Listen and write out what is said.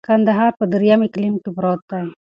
کندهار په دریم اقلیم کي پروت دی.